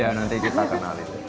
iya nanti kita kenalin